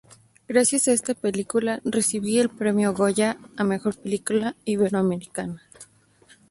Gracias a esta película recibe el Premio Goya a "Mejor Película Iberoamericana".